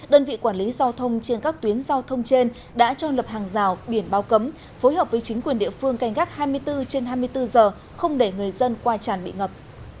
đơn vị quản lý giao thông trên các tuyến giao thông trên đã cho lập hàng rào biển bao cấm phối hợp với chính quyền địa phương canh gác hai mươi bốn trên hai mươi bốn giờ không để người dân qua tràn bị ngập